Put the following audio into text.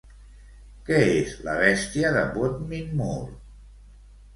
Què és La Bèstia de Bodmin Moor?